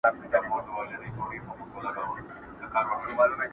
راځی چي وشړو له خپلو کلیو،